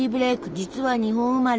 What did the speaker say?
実は日本生まれ！